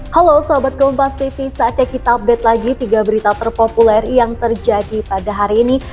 halo selamat keempat siti saatnya kita update lagi tiga berita terpopuler yang terjadi pada hari ini